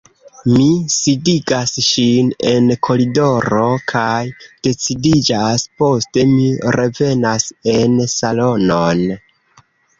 Mi sidigas ŝin en koridoro kaj decidiĝas, poste mi revenas en salonon.